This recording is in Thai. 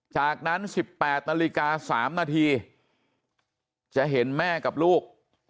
จากนั้น๑๘นาฬิกา๓นาทีจะเห็นแม่กับลูก